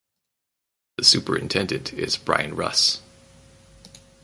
The superintendent is Brian Russ.